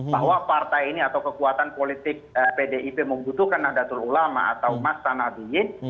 bahwa partai ini atau kekuatan politik pdip membutuhkan nahdlatul ulama atau mas tanadiyin